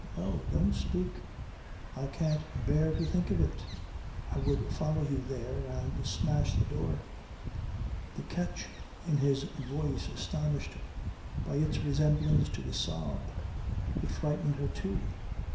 No! Don't speak. I can't bear to think of it. I would follow you there and smash the door!" The catch in his voice astonished her by its resemblance to a sob. It frightened her too.